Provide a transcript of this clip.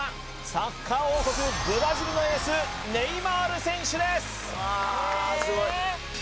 サッカー王国ブラジルのエースネイマール選手です！